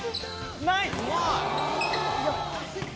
うまい！